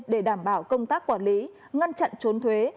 để đảm bảo công tác quản lý ngăn chặn trốn thuế